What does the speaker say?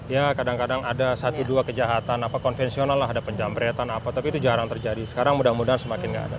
ya kadang kadang ada satu dua kejahatan apa konvensional lah ada penjamretan apa tapi itu jarang terjadi sekarang mudah mudahan semakin nggak ada